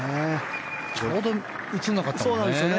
ちょうど映らなかったもんね。